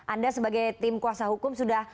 anda sebagai tim kuasa hukum sudah